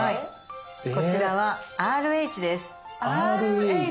こちらは「Ｒ」「Ｈ」です。